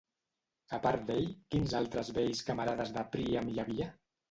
A part d'ell, quins altres vells camarades de Príam hi havia?